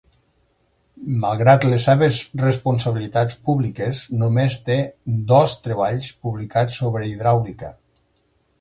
Malgrat les seves responsabilitats públiques, només té dos treballs publicats sobre hidràulica.